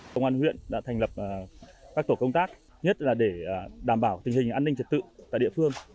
công an huyện đã thành lập các tổ công tác nhất là để đảm bảo tình hình an ninh trật tự tại địa phương